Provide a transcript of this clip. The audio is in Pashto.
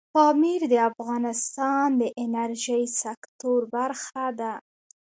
پامیر د افغانستان د انرژۍ سکتور برخه ده.